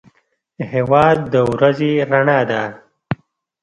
هېواد د ورځې رڼا ده.